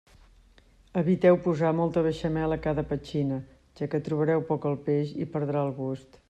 Eviteu posar molta beixamel a cada petxina, ja que trobareu poc el peix i perdrà el gust.